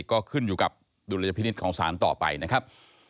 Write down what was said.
ก็ขึ้นอยู่กับดุลยพินิษฐ์ของสารต่อไปนะครับ